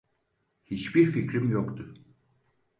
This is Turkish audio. Hiçbir fikrim yoktu.